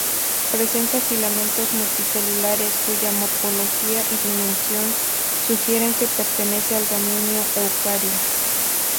Presenta filamentos multicelulares cuya morfología y dimensión sugieren que pertenece al dominio Eukarya.